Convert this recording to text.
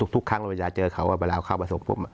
ทุกครั้งเราจะเจอเขาว่าเวลาเข้ามาส่ง